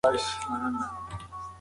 ملکیار د خپل عصر د نورو شاعرانو ملګری و.